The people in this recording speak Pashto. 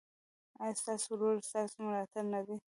ایا ستاسو ورور ستاسو ملاتړ نه دی؟